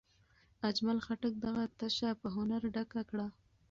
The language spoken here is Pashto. اجمل خټک دغه تشه په هنر ډکه کړه.